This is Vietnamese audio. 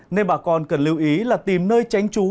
nên bà con cần lưu ý là tìm nơi tránh trú